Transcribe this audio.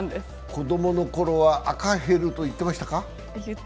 子供の頃は赤ヘルと言ってましたか？